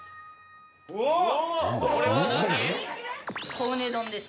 「コウネ丼です」